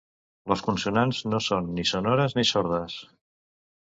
Les consonants no són ni sonores ni sordes.